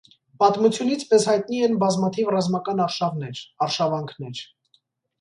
Պատմությունից մեզ հայտնի են բազմաթիվ ռազմական արշավներ՝ արշավանքներ։